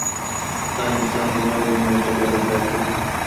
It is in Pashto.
هر انسان غواړي نوې خبرې زده کړي.